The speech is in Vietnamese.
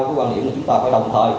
cái quan điểm là chúng ta phải đồng thời